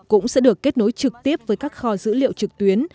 cũng sẽ được kết nối trực tiếp với các kho dữ liệu trực tuyến